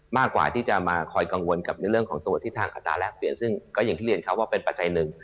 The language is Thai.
มากกว่าที่จะมาคอยกังวลกับในเรื่องของตัวทิศทางอัตราแรกเปลี่ยนซึ่งก็อย่างที่เรียนครับว่าเป็นปัจจัยหนึ่ง